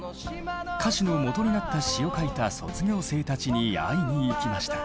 歌詞のもとになった詩を書いた卒業生たちに会いに行きました。